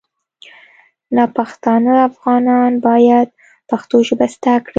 ناپښتانه افغانان باید پښتو ژبه زده کړي